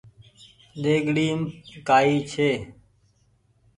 ۮيگڙيم ڪآئي ڇي